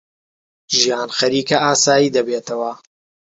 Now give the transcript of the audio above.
ژیان خەریکە ئاسایی دەبێتەوە.